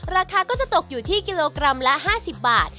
ราคาก็จะตกอยู่ที่กิโลกรัมละ๕๐บาท